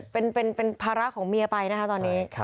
เป็นภาระของเมียไปนะคะตอนนี้